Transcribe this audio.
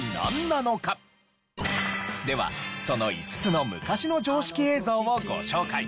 ではその５つの昔の常識映像をご紹介。